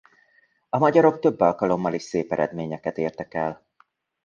A magyarok több alkalommal is szép eredményeket értek el.